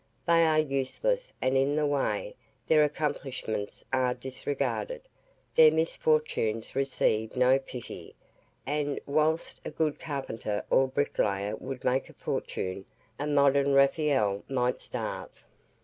They are useless and in the way, their accomplishments are disregarded, their misfortunes receive no pity; and, whilst a good carpenter or bricklayer would make a fortune, a modern Raphael might starve.